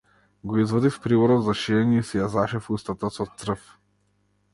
Го извадив приборот за шиење и си ја зашив устата со црв.